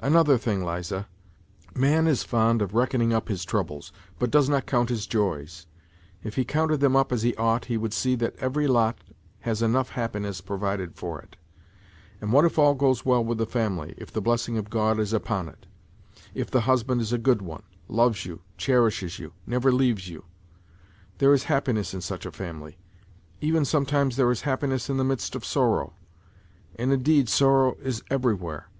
Another thing, Liza, man is fond of reckoning up his troubles, but does not count his joys. If he counted them up as he ought, he would see that every lot has enough happiness provided for it. And what if all goes well with the family, if the blessing of God is upon it, if the husband is a good one, loves you, cherishes you, never leaves you ! There is happiness in such a family ! Even sometimes there is happiness in the midst of sorrow ; and indeed sorrow is everywhere.